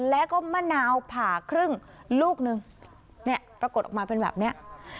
แล้วก็มะนาวผ่าครึ่งลูกนึงเนี่ยปรากฏออกมาเป็นแบบเนี้ย